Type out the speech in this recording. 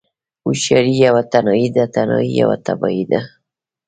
هوښياری يوه تنهايی ده، تنهايی يوه تباهی ده